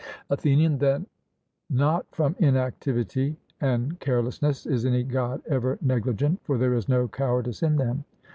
ATHENIAN: Then not from inactivity and carelessness is any God ever negligent; for there is no cowardice in them.